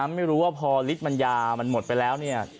ไม่รู้ว่าพอลิตรมันยามันหมดไปแล้วเนี่ย